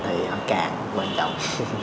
thì nó càng quan trọng